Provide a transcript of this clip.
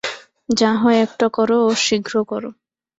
যা হয় একটা করো ও শীঘ্র করো।